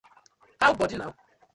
How bodi na?